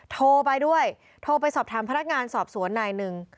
โทรไปด้วยโทรไปสอบถามพนักงานสอบสวนนายหนึ่ง